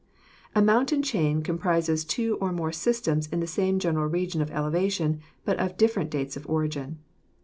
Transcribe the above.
A mountain chain comprises two or more systems in the same general region of elevation, but of different dates of origin.